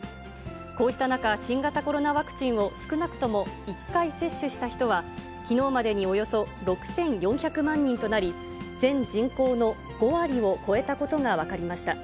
こうした中、新型コロナワクチンを少なくとも１回接種した人は、きのうまでにおよそ６４００万人となり、全人口の５割を超えたことが分かりました。